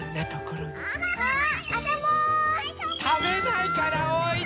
たべないからおいで！